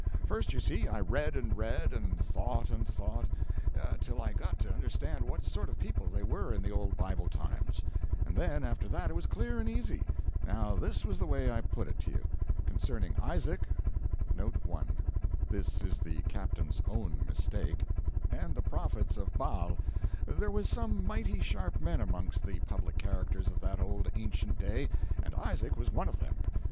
First, you see, I read and read, and thought and thought, till I got to understand what sort of people they were in the old Bible times, and then after that it was clear and easy. Now, this was the way I put it up, concerning Isaac(1) and the prophets of Baal. There was some mighty sharp men amongst the public characters of that old ancient day, and Isaac was one of them.